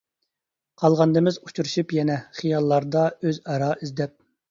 قالغاندىمىز ئۇچرىشىپ يەنە، خىياللاردا ئۆز ئارا ئىزدەپ.